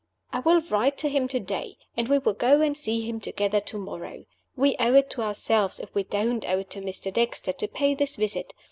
I will write to him to day, and we will go and see him together to morrow. We owe it to ourselves (if we don't owe it to Mr. Dexter) to pay this visit.